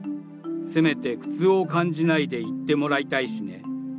せめて苦痛を感じないで逝ってもらいたいしね。